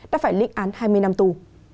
đã phải lĩnh án hai mươi năm tù